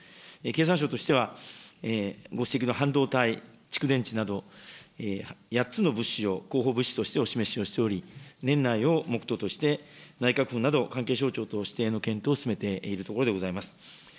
経産省としては、ご指摘の半導体、蓄電池など、８つの物資を候補物資としてお示しをしており、年内を目途として、内閣府など関係省庁と指定の検討を進めているところでございます。